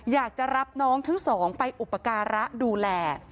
อยากจะรับน้องทั้งสองไปอุปการะดูแล